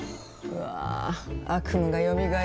うわ悪夢がよみがえる。